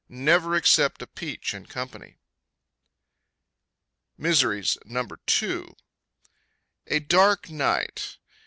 Never accept a peach in company. MISERIES. No. 2. A Dark Night.